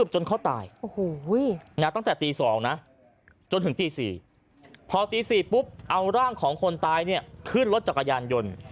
จนถึงตีสี่พอตีสี่ปุ๊บเอาร่างของคนตายขึ้นรถจากกระยานยนต์